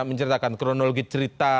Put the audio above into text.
menceritakan kronologi cerita